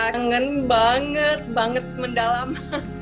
dengan banget banget mendalaman